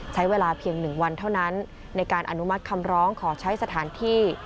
ใช้เวลาเพียง๑วันเท่านั้นในการอนุมัติคำร้องขอใช้สถานที่